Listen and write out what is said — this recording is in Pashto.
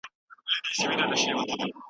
حساس چاپېريال ماشوم ته ارام ورکوي.